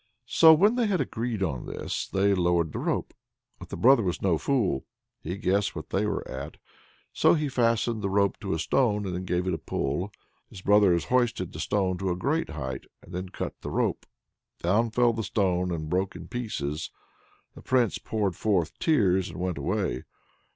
So when they had agreed on this, they lowered the rope. But their brother was no fool; he guessed what they were at, so he fastened the rope to a stone, and then gave it a pull. His brothers hoisted the stone to a great height, and then cut the rope. Down fell the stone and broke in pieces; the Prince poured forth tears and went away.